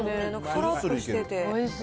さらっとしてて。